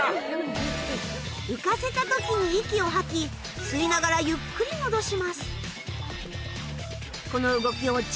浮かせた時に息を吐き吸いながらゆっくり戻します。